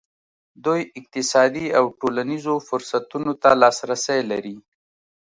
دوی اقتصادي او ټولنیزو فرصتونو ته لاسرسی لري.